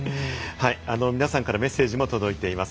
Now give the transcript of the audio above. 皆さんからメッセージも届いています。